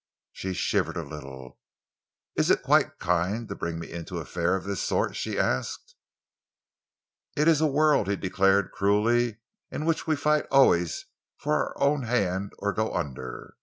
She shivered a little. "Is it quite kind to bring me into an affair of this sort?" she asked. "It is a world," he declared cruelly, "in which we fight always for our own hand or go under.